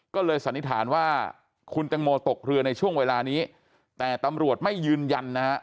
ก็เลยสันนิษฐานว่าคุณตังโมตกเรือในช่วงเวลานี้แต่ตำรวจไม่ยืนยันนะฮะ